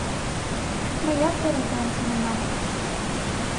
Мыят эре тыйым шоненам.